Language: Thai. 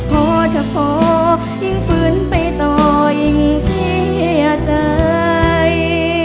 พอเธอพอยิ่งฝืนไปต่อยิ่งเสียใจ